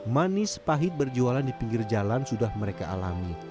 manis pahit berjualan di pinggir jalan sudah mereka alami